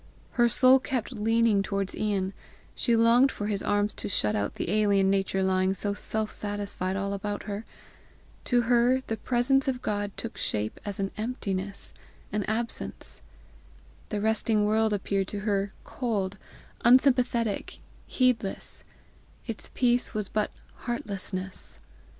Her soul kept leaning towards Ian; she longed for his arms to start out the alien nature lying so self satisfied all about her. To her the presence of God took shape as an emptiness an absence. The resting world appeared to her cold, unsympathetic, heedless; its peace was but heartlessness.